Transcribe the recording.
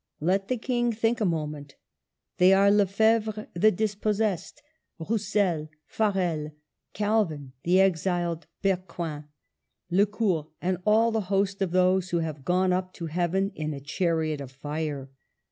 Let the King think a moment. They are Lefebvre the dispossessed ; Roussel, Farel, Calvin the exiled ; Berquin, Le Court, and all the host of those who have gone up to heaven in a chariot of fire.